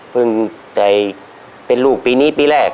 พึ่งได้เป็นลูกปีนี้ปีแรก